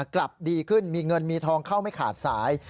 กลับดีขึ้นมีเงินมีทองเข้าไม่ขาดสาย